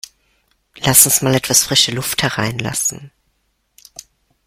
Lass uns mal etwas frische Luft hereinlassen!